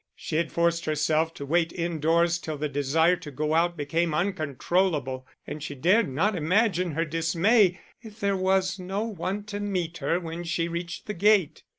She had forced herself to wait indoors till the desire to go out became uncontrollable, and she dared not imagine her dismay if there was no one to meet her when she reached the gate.